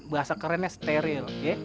bahasa kerennya steril ya